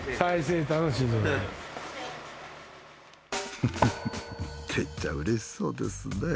フフフッ哲ちゃんうれしそうですね。